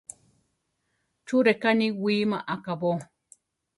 ¿Chú reká niwíma akabó?